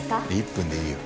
１分でいいよ。